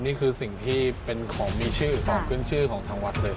นี่คือสิ่งที่เป็นของมีชื่อของขึ้นชื่อของทางวัดเลย